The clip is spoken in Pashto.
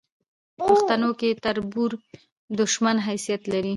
پښتنو کې تربور د دوشمن حیثت لري